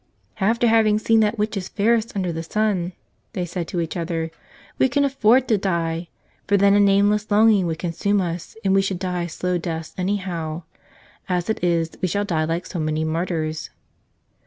"After having seen that which is fairest under the sun," they said to each other, "we can afford to die; for then a nameless longing would consume us, and we would die slow deaths anyhow. As it is we shall die like so many martyrs."